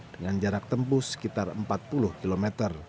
dengan jarak tempuh sekitar empat puluh km